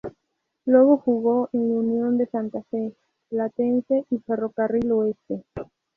Luego jugó en Unión de Santa Fe, Platense, y Ferrocarril Oeste.